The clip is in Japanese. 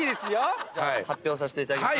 発表させていただきます。